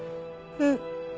うん。